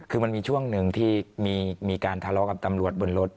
คือมันมีช่วงหนึ่งที่มีการทะเลาะกับตำรวจบนรถ